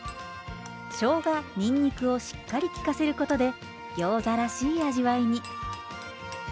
しょうがにんにくをしっかり効かせることでギョーザらしい味わいに。